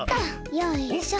よいしょ。